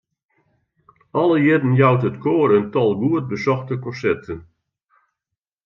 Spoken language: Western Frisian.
Alle jierren jout it koar in tal goed besochte konserten.